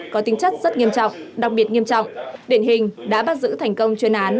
có tính chất rất nghiêm trọng đặc biệt nghiêm trọng điển hình đã bắt giữ thành công chuyên án